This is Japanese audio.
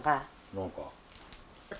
何か。